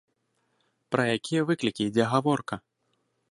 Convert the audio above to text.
Пра якія выклікі ідзе гаворка?